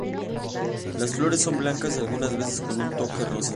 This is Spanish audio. Las flores son blancas y algunas veces con un toque rosa.